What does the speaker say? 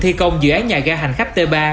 thủ tướng thi công dự án nhà ga hành khách t ba